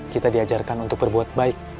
kita diajarkan untuk berbuat baik